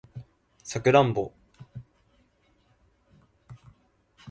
サクランボ